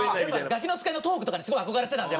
『ガキの使い』のトークとかにすごい憧れてたんで。